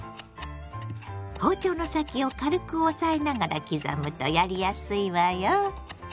包丁の先を軽く押さえながら刻むとやりやすいわよ。